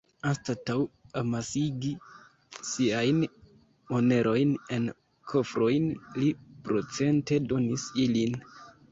Anstataŭ amasigi siajn monerojn en kofrojn, li procente-donis ilin.